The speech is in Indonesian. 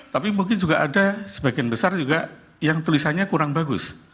tapi mungkin juga ada sebagian besar juga yang tulisannya kurang bagus